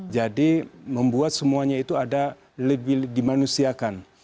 jadi membuat semuanya itu ada lebih dimanusiakan